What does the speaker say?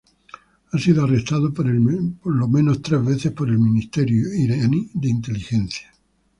Ha sido arrestado por lo menos tres veces por el ministerio iraní de Inteligencia.